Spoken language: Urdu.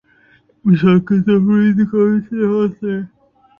مثال کے طور پر انتخابی اصلاحات ہیں۔